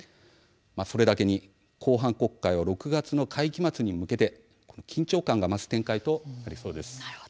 それだけに後半国会は６月の会期末に向けて緊張感が増す展開となりそうです。